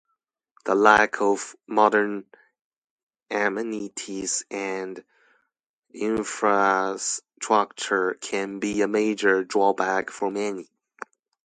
The lack of modern amenities and infrastructure can be a major drawback for many.